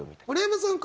村山さん